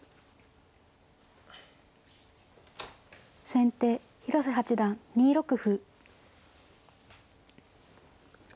先手広瀬八段２六歩。